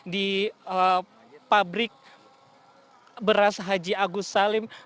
di pabrik beras haji agus salim